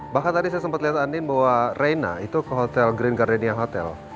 bahkan tadi saya sempat lihat andin bahwa reina itu ke hotel green gardania hotel